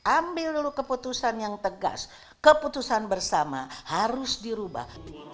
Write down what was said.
ambil dulu keputusan yang tegas keputusan bersama harus dirubah